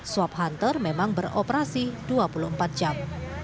swap hunter memang beroperasi dua puluh empat jam